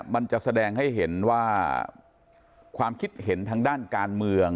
มันจะแสดงให้เห็นว่าความคิดเห็นทางด้านการเมือง